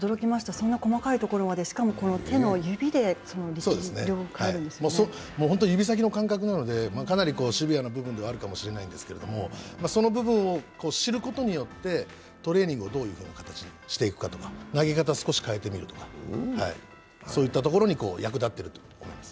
そんな細かいところまで、しかも手の指で指先の感覚なのでかなりシビアな部分ではあるかもしれないんですけれども、その部分を知ることによってトレーニングをどういう形にしていくかとか、投げ方を変えてみるとか、そういったところに役立っていると思います。